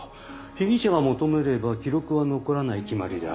被疑者が求めれば記録は残らない決まりだ。